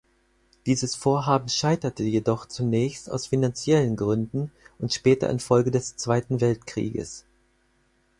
Dieses Vorhaben scheiterte jedoch zunächst aus finanziellen Gründen und später infolge des Zweiten Weltkrieges.